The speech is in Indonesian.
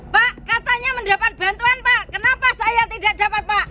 pak katanya mendapat bantuan pak kenapa saya tidak dapat pak